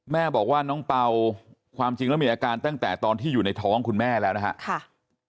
แม่บอกว่าน้องเป่าความจริงแล้วมีอาการตั้งแต่ตอนที่อยู่ในท้องคุณแม่แล้วนะครับ